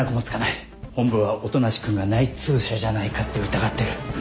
本部は音無君が内通者じゃないかって疑ってる。